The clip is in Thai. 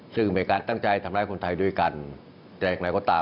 ซึ่งเป็นการตั้งใจทำร้ายคนไทยด้วยกันแต่อย่างไรก็ตาม